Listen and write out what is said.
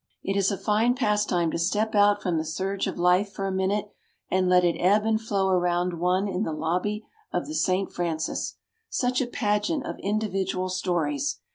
It is a fine pastime to step out from the surge of Life for a minute and let it ebb and flow around one in the lobby of the St. Francis. Such a pageant of individual stories.